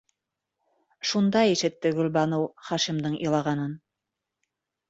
Шунда ишетте Гөлбаныу Хашимдың илағанын.